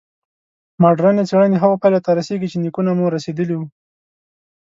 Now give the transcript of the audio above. مډرني څېړنې هغو پایلو ته رسېږي چې نیکونه مو رسېدلي وو.